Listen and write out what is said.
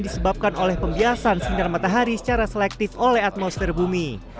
disebabkan oleh pembiasan sinar matahari secara selektif oleh atmosfer bumi